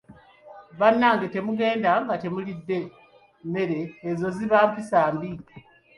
Bannange temugenda nga temulidde mmere, ezo ziba mpisa mbi.